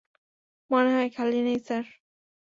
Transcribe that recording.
মনে হয় খালি নেই, স্যার।